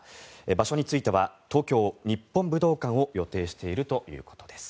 場所については東京・日本武道館を予定しているということです。